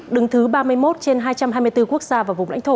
đứng thứ ba mươi một trên hai trăm hai mươi bốn quốc gia và vùng lãnh thổ